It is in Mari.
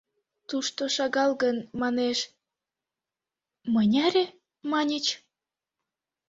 Тушто, шагал гын, манеш... мыняре, маньыч?